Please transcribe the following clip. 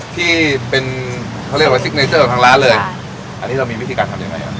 ที่เป็นเขาเรียกว่าซิกเนเจอร์ของทางร้านเลยอันนี้เรามีวิธีการทำยังไงอ่ะ